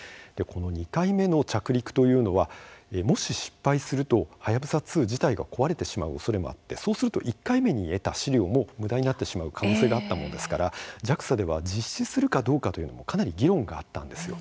２回目の着陸というのは、もし失敗すると、はやぶさ２自体が壊れてしまうおそれもあってそうすると１回目に得た試料もむだになってしまう可能性があったものですからＪＡＸＡでは実施するかどうかというのはかなり議論があったんですよ。